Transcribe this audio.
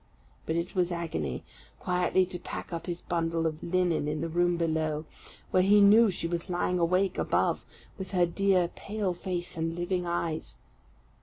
But it was agony quietly to pack up his bundle of linen in the room below, when he knew she was lying awake above, with her dear, pale face, and living eyes!